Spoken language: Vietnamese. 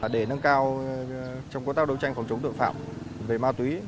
để nâng cao trong công tác đấu tranh phòng chống tội phạm về ma túy